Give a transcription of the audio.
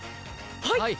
はい！